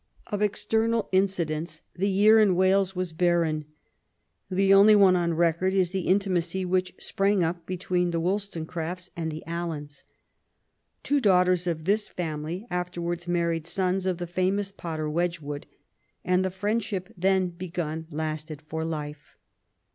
Of external incidents the year in Wales was barren. The only one on record is the intimacy which sprang up between the WoUstonecrafts and the Aliens. Two daughters of this family afterwards married sons of the famous potter, Wedgwood, and the friendship then begun lasted for life.